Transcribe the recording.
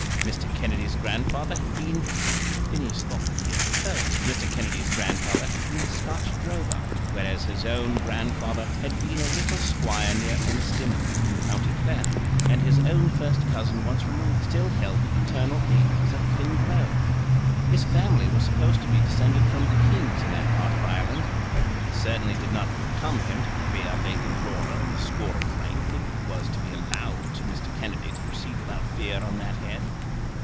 Mr. Kennedy's grandfather had been, Phineas thought that he had heard that Mr. Kennedy's grandfather had been a Scotch drover; whereas his own grandfather had been a little squire near Ennistimon, in county Clare, and his own first cousin once removed still held the paternal acres at Finn Grove. His family was supposed to be descended from kings in that part of Ireland. It certainly did not become him to fear Lady Laura on the score of rank, if it was to be allowed to Mr. Kennedy to proceed without fear on that head.